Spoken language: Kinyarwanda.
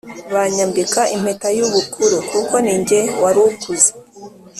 Banyambika impeta y’ubukuru kuko ninjye warukuze